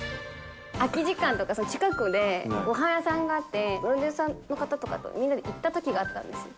空き時間とか、近くでごはん屋さんがあって、プロデューサーさんとかとみんなで行ったときがあったんです。